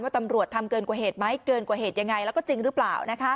ตำรวจทำเกินกว่าเหตุไหมเกินกว่าเหตุยังไงแล้วก็จริงหรือเปล่า